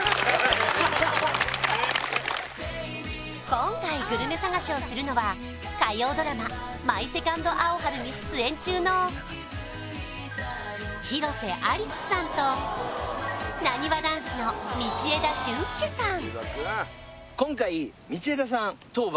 今回グルメ探しをするのは火曜ドラマ「マイ・セカンド・アオハル」に出演中の広瀬アリスさんとなにわ男子の道枝駿佑さん